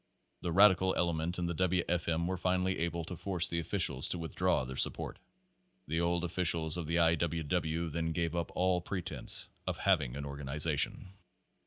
The radical ele ment in the W. F. M. were finally able to force the offi cials to withdraw that support. The old officials of the I. W. W. then gave up all pretence of having an organi zation.